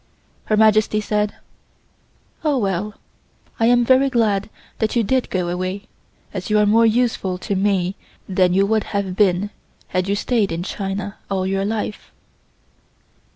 Her Majesty said: "Oh, well, I am very glad that you did go away as you are more useful to me than you would have been had you stayed in China all your life."